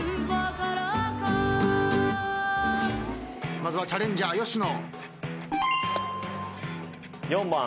まずはチャレンジャー吉野。